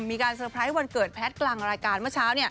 เซอร์ไพรส์วันเกิดแพทย์กลางรายการเมื่อเช้า